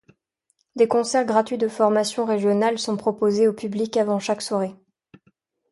Des concerts gratuits de formations régionales sont proposés au public avant chaque soirée.